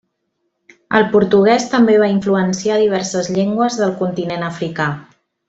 El portuguès també va influenciar diverses llengües del continent africà.